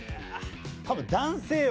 多分男性よ